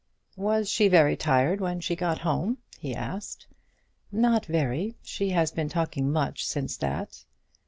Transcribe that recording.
"Was she very tired when she got home?" he asked. "Not very. She has been talking much since that."